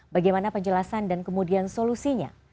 bagaimana penjelasan dan kemudian solusinya